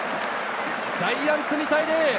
ジャイアンツ、２対０。